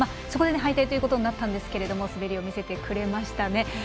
そこで敗退ということになったんですが滑りを見せてくれましたね。